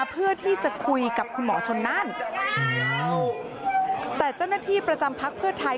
เพื่อที่จะคุยกับคุณหมอชนนั่นแต่เจ้าหน้าที่ประจำพักเพื่อไทย